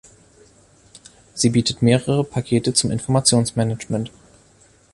Sie bietet mehrere Pakete zum Informationsmanagement.